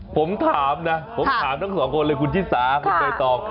ผมถามนะผมถามทั้งสองคนเลยคุณที่สามไปตอบ